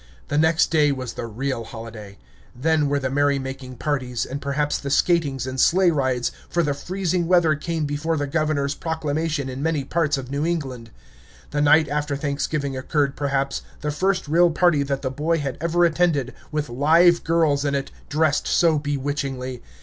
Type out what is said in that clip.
The next day was the real holiday. Then were the merry making parties, and perhaps the skatings and sleigh rides, for the freezing weather came before the governor's proclamation in many parts of New England. The night after Thanksgiving occurred, perhaps, the first real party that the boy had ever attended, with live girls in it, dressed so bewitchingly.